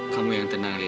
kamu yang tenang lila